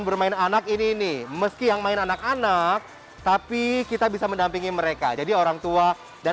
bermain anak ini nih meski yang main anak anak tapi kita bisa mendampingi mereka jadi orang tua dan